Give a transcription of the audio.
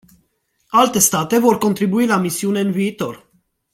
Alte state vor contribui la misiune în viitor.